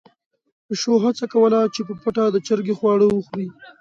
پيشو هڅه کوله چې په پټه د چرګې خواړه وخوري.